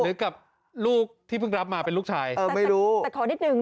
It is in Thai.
กับลูกที่เพิ่งรับมาเป็นลูกชายเออไม่รู้แต่ขอนิดนึง